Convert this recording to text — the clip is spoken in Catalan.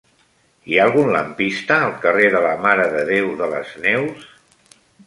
Hi ha algun lampista al carrer de la Mare de Déu de les Neus?